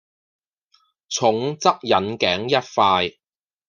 重則引頸一快